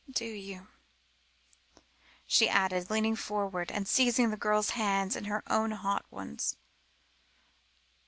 Do you?" she asked, leaning forward and seizing the girl's hands in her own hot ones.